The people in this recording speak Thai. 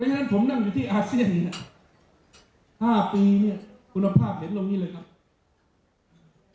เป็นอย่างนั้นผมนั่งอยู่ที่อาเซียน๕ปีเนี่ยคุณภาพเห็นลงนี้เลยครับ